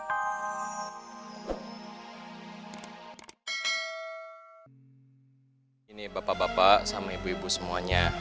ini bapak bapak sama ibu ibu semuanya